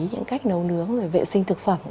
những cách nấu nướng vệ sinh thực phẩm